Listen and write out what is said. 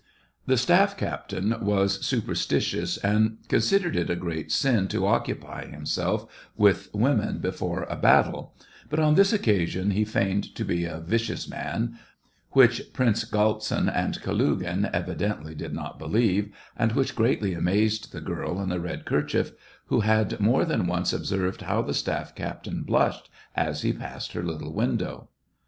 The staff captain was superstitious, and consid SEVASTOPOL IN MAY. 51 ered it a great sin to occupy himself with women before a battle ; but on this occasion he feigned to be a vicious man, which Prince Galtsin and Kalugin evidently did not believe, and which greatly amazed the girl in the red kerchief, who had more than once observed how the staff captain blushed as he passed her little window.